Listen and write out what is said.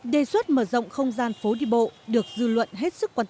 đề xuất mở rộng không gian phố đi bộ được dư luận hết sức quan tâm